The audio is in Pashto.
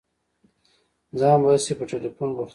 ځان به هسي په ټېلفون بوختوم.